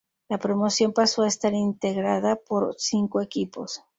La promoción pasó a estar integrada por cinco equipos.